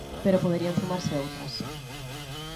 Pero poderían sumarse outras.